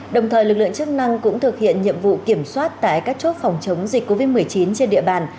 đồng thời lực lượng chức năng cũng thực hiện nhiệm vụ kiểm soát tại các chốt phòng chống dịch covid một mươi chín trên địa bàn